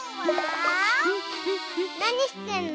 なにしてんの？